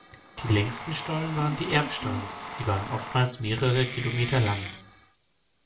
Die längsten Stollen waren die Erbstollen, sie waren oftmals mehrere Kilometer lang.